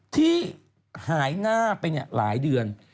ที่หายหน้าไปหลายเดือน